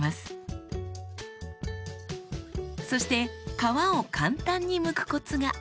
そして皮を簡単にむくコツが。